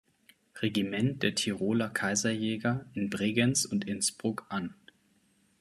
Regiment der Tiroler Kaiserjäger in Bregenz und Innsbruck an.